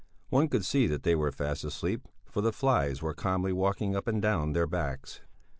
One could see that they were fast asleep, for the flies were calmly walking up and down their backs.